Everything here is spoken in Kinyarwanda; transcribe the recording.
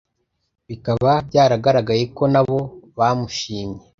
bikaba byaragaragaye ko nabo bamushimye.